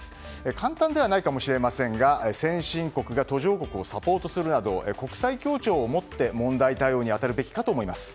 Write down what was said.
簡単ではないかもしれませんが先進国が途上国をサポートするなど国際協調をもって問題対応に当たるべきかと思います。